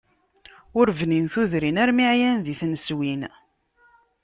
Ur bnin tudrin, armi ɛyan di tneswin.